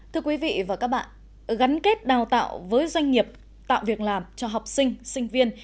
thưa quý vị và các bạn gắn kết đào tạo với doanh nghiệp tạo việc làm cho học sinh sinh viên